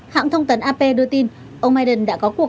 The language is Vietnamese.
hãng thông tấn ap đưa tin ông biden đã có cuộc gọi với nga